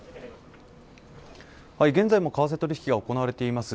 現在も為替取引が行われています